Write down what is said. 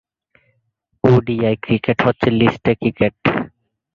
ODI cricket হচ্ছে list A cricket.